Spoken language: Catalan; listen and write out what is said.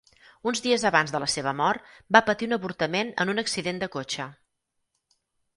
Uns dies abans de la seva mort, va patir un avortament en un accident de cotxe.